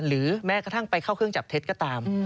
แม้กระทั่งไปเข้าเครื่องจับเท็จก็ตาม